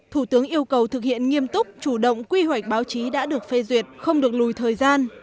thủ tướng yêu cầu thực hiện nghiêm túc chủ động quy hoạch báo chí đã được phê duyệt không được lùi thời gian